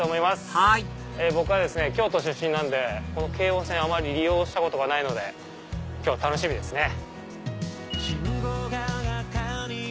はい僕は京都出身なんで京王線利用したことがないので今日は楽しみですね。